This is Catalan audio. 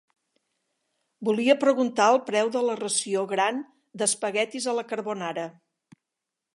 Volia preguntar el preu de la ració gran d'espaguetis a la carbonara.